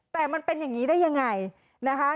แต่มันเป็นอย่างนี้ได้ยังไงนะคะ